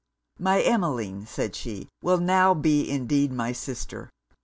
'My Emmeline,' said she, 'will now be indeed my sister!